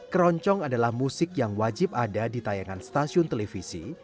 keroncong adalah musik yang wajib ada di tayangan stasiun televisi